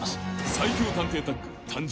最強探偵タッグ、誕生。